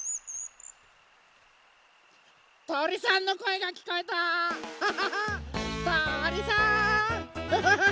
とりさんのこえがきこえた！ハハハ！